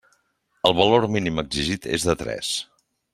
El valor mínim exigit és de tres.